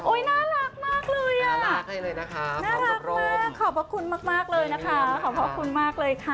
น่ารักมากเลยอ่ะน่ารักมากขอบพระคุณมากเลยนะคะขอบพระคุณมากเลยค่ะ